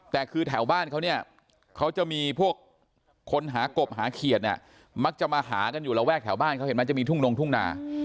แต่คือแถวบ้านเขาเนี่ยเขาจะมีพวกคนหากบหาเขียดเนี่ยมักจะมาหากันอยู่ระแวกแถวบ้านเขาเห็นไหมจะมีทุ่งนงทุ่งนา